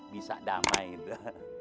bisa damai gitu